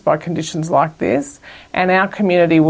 dengan kondisi seperti ini dan komunitas kami